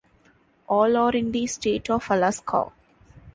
All are in the state of Alaska.